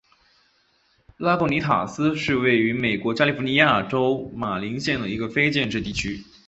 拉贡尼塔斯是位于美国加利福尼亚州马林县的一个非建制地区。